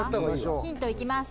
ヒントいきます